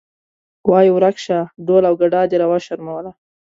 وایې ورک شه ډول او ګډا دې راوشرموله.